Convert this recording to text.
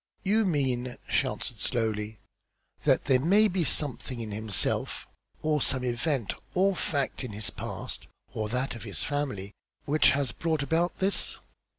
"You mean," she answered slowly, "that there may be something in himself or some event or fact in his past, or that of his family, which has brought about this?"